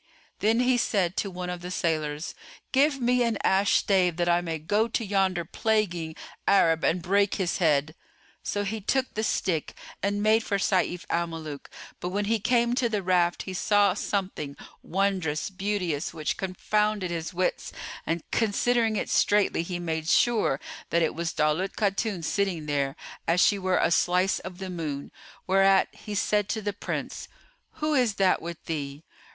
Then he said to one of the sailors, "Give me an ash[FN#432] stave, that I may go to yonder plaguing Arab and break his head." So he took the stick and made for Sayf al Muluk, but, when he came to the raft, he saw a something, wondrous, beauteous, which confounded his wits and considering it straitly he made sure that it was Daulat Khatun sitting there, as she were a slice of the moon; whereat he said to the Prince, "Who is that with thee?"